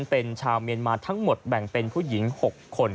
เป็นชาวเมียนมาทั้งหมดแบ่งเป็นผู้หญิง๖คน